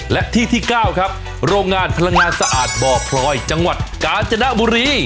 และที่ที่๙ครับโรงงานพลังงานสะอาดบ่อพลอยจังหวัดกาญจนบุรี